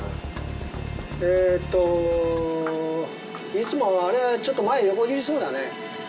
出雲あれはちょっと前横切りそうだね